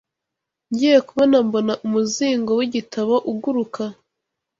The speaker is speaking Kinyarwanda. ngiye kubona mbona umuzingo w’igitabo uguruka